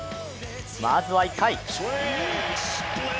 まずは１回。